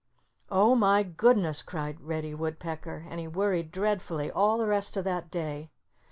"Oh, my goodness!" cried Reddy Woodpecker. And he worried dreadfully all the rest of that day.